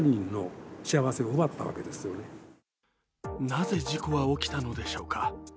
なぜ事故は起きたのでしょうか。